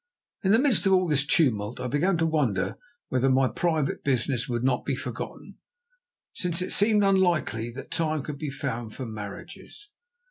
In the midst of all this tumult I began to wonder whether my private business would not be forgotten, since it seemed unlikely that time could be found for marriages.